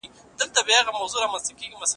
زه په خپل ساعت کې د زړه ضربان او ګامونه ګورم.